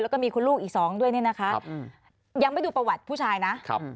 แล้วก็มีคุณลูกอีกสองด้วยเนี่ยนะคะยังไม่ดูประวัติผู้ชายนะครับ